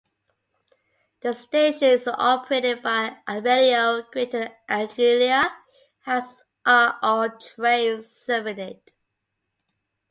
The station is operated by Abellio Greater Anglia, as are all trains serving it.